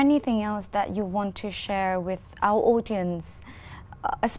có những gì khác mà các bạn muốn chia sẻ với khán giả của chúng tôi